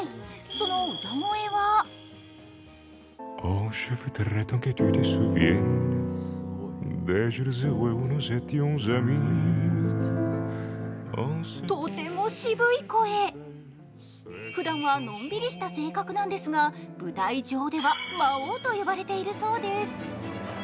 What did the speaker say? その歌声はとても渋い声、ふだんは、のんびりした性格なんですが舞台上では魔王と呼ばれているそうです。